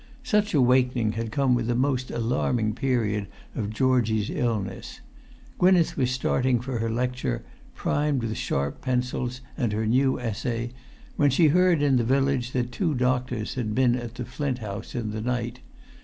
Such awakening had come with the most alarming period of Georgie's illness. Gwynneth was starting for her lecture, primed with sharp pencils and her new essay, when she heard in the village that two doctors had been at the Flint House in the night.